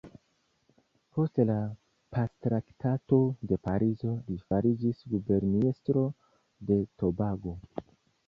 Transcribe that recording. Post la Pactraktato de Parizo, li fariĝis guberniestro de Tobago.